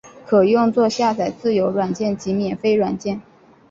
可用作下载自由软件及免费软件。